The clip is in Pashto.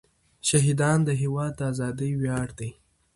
شهیدان د هېواد د ازادۍ ویاړ دی.